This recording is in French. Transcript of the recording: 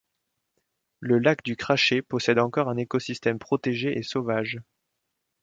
Le lac du Crachet possède encore un écosystème protégé et sauvage.